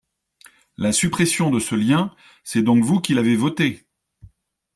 La suppression de ce lien, c’est donc vous qui l’avez votée.